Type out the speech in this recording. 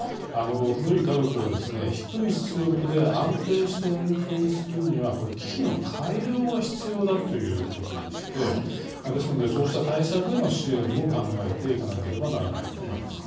古い火力は、低い出力で安定して運転するには、これ機器の改良が必要だということでして、ですのでそうした対策への支援も考えていかなければならないと思います。